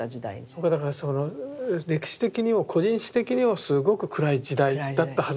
だからその歴史的にも個人史的にもすごく暗い時代だったはずなのに。